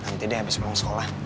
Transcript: nanti deh habis mau sekolah